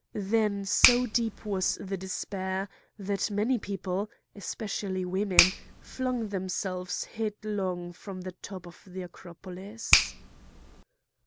Then so deep was the despair that many people, especially women, flung themselves headlong from the top of the Acropolis.